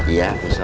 iya pak sok